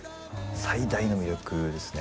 最大の魅力ですね